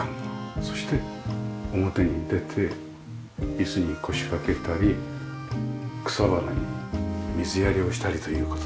そして表に出て椅子に腰掛けたり草花に水やりをしたりという事ですね。